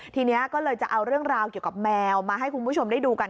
ทีนี้ก็จะเอาเรื่องกับแมวมาให้คุณผู้ชมได้ดูกัน